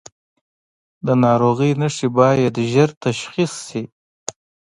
د ناروغۍ نښې باید ژر تشخیص شي.